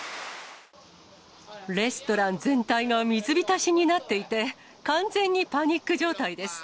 レストラン全体が水浸しになっていて、完全にパニック状態です。